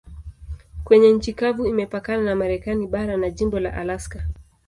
Kwenye nchi kavu imepakana na Marekani bara na jimbo la Alaska.